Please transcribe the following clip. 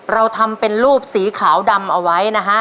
เราทำเป็นรูปสีขาวดำเอาไว้นะฮะ